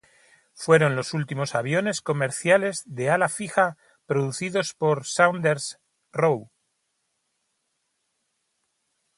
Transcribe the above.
Fueron los últimos aviones comerciales de ala fija producidos por Saunders-Roe.